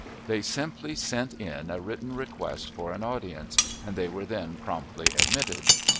They simply sent in a written request for an audience, and they were then promptly admitted.